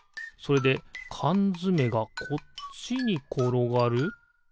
それでかんづめがこっちにころがる？